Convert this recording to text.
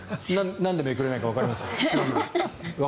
なんでめくれないかわかりますか？